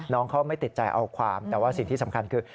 น้องเขาไม่ติดใจเอาความแต่ว่าสิ่งที่สำคัญคือ